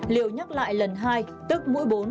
liệu nhắc lại lần hai tức mũi bốn